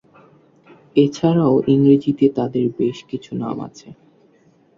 এছাড়াও ইংরেজিতে তাদের বেশ কিছু নাম আছে।